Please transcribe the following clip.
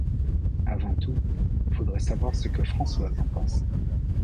Avant tout, faudrait savoir ce que Françoise en pense.